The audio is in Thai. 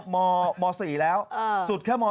ม๔แล้วสุดแค่ม๔